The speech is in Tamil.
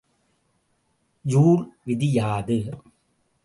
ஜூல் விதி யாது?